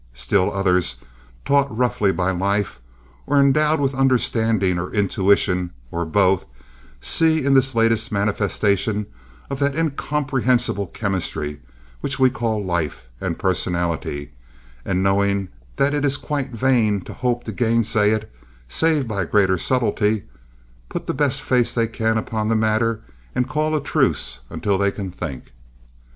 Still others, taught roughly by life, or endowed with understanding or intuition, or both, see in this the latest manifestation of that incomprehensible chemistry which we call life and personality, and, knowing that it is quite vain to hope to gainsay it, save by greater subtlety, put the best face they can upon the matter and call a truce until they can think.